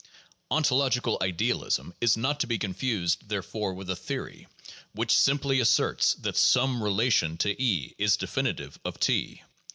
Ontologieal idealism is not to be confused, therefore, with a theory which simply asserts that some relation to E is definitive of T.